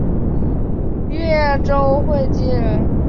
越州会稽人。